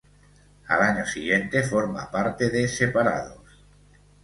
Al año siguiente forma parte de "Separados".